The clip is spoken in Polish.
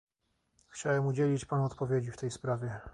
Chciałem udzielić panu odpowiedzi w tej sprawie